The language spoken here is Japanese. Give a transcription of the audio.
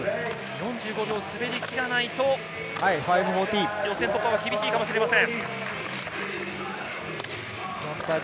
４５秒滑りきらないと予選突破は厳しいかもしれません。